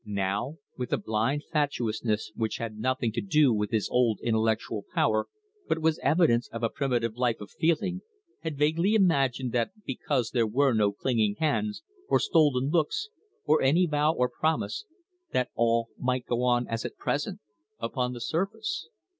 Now, with a blind fatuousness which had nothing to do with his old intellectual power, but was evidence of a primitive life of feeling, had vaguely imagined that because there were no clinging hands, or stolen looks, or any vow or promise, that all might go on as at present upon the surface.